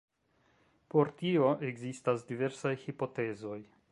Por tio ekzistas diversaj hipotezoj.